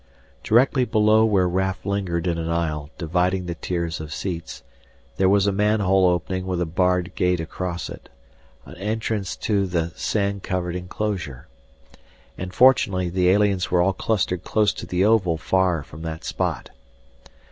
Directly below where Raf lingered in an aisle dividing the tiers of seats, there was a manhole opening with a barred gate across it, an entrance to the sand covered enclosure. And fortunately the aliens were all clustered close to the oval far from that spot.